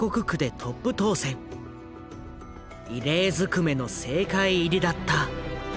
異例ずくめの政界入りだった。